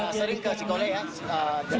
walaupun di cikole juga ada banyak lintasan